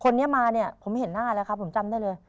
คนนี้มาเนี่ยผมเห็นหน้าแล้วครับผมจำได้เลย